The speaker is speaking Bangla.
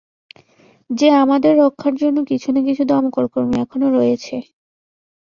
যে আমাদের রক্ষার জন্য কিছু না কিছু দমকলকর্মী এখনো রয়েছে।